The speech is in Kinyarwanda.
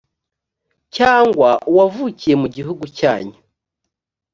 cyangwa uwavukiye mu gihugu cyanyu